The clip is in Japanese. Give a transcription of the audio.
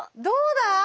どうだ？